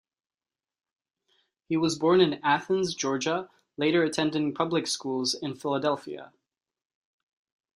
He was born in Athens, Georgia, later attending public schools in Philadelphia.